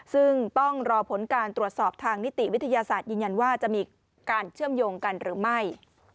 ซึ่งต้องรอผลการตรวจสอบทางนิติวิทยาศาสตร์ยืนยันว่าจะมีการเชื่อมโยงกันหรือไม่